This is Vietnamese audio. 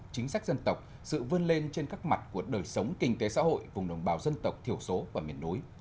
chính sách dân tộc sự vươn lên trên các mặt của đời sống kinh tế xã hội vùng đồng bào dân tộc thiểu số và miền núi